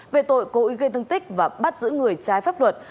về tội cố ý gây thương tích và bắt giữ người trái pháp luật